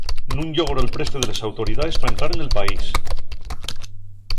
Nun llogró'l preste de les autoridaes pa entrar nel país.